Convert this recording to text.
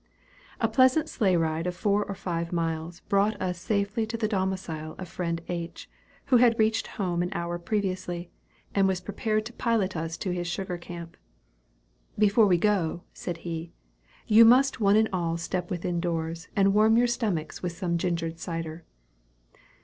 A pleasant sleigh ride of four or five miles, brought us safely to the domicile of friend H., who had reached home an hour previously, and was prepared to pilot us to his sugar camp. "Before we go," said he, "you must one and all step within doors, and warm your stomachs with some gingered cider."